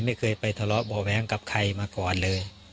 ไม่เคยไปทะเลาะบ่อแว้งกับใครมาก่อนเลย